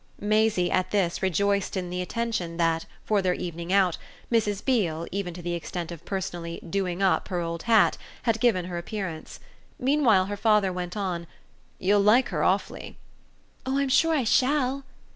Maisie, at this, rejoiced in the attention that, for their evening out, Mrs. Beale, even to the extent of personally "doing up" her old hat, had given her appearance. Meanwhile her father went on: "You'll like her awfully." "Oh I'm sure I shall!"